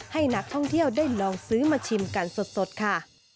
ให้นักท่องเที่ยวได้ลองซื้อมาชิมกันสดค่ะ